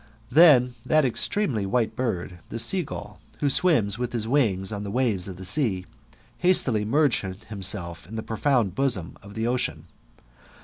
Then that extremely white bird, the sea gull, who swims with his wings on the waves of the sea, hastily merged himself in the profound bosom of the ocean.